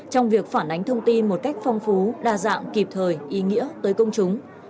trong việc phản ánh thông tin một cách phong phú đa dạng kịp thời ý nghĩa tới công chúng